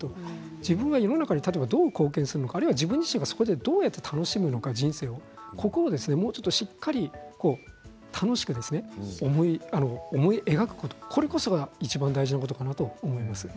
自分が世の中にどう貢献するのか自分自身がどう人生を楽しむのかここをしっかりと、楽しく思い描くことこれこそがいちばん大事なことだと思います。